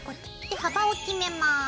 で幅を決めます。